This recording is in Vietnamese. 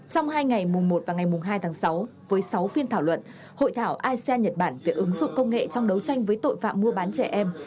trong hai ngày mùng một và ngày mùng hai tháng sáu với sáu phiên thảo luận hội thảo asean nhật bản về ứng dụng công nghệ trong đấu tranh với tội phạm mua bán trẻ em